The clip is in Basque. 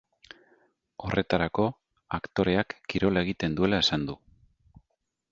Horretarako, aktoreak kirola egiten duela esan du.